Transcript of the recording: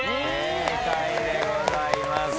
正解でございます。